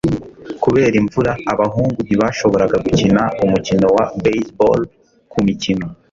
kubera imvura, abahungu ntibashoboraga gukina umukino wa baseball kumikino